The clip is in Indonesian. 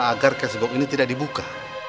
agar cashboard ini tidak dibuka